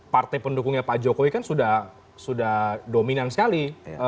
partai pendukungnya pak jokowi kan sudah dominan sekali